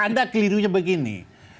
anda kelirunya begini